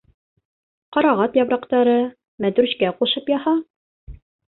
Ҡарағат япраҡтары, мәтрүшкә ҡушып яһа.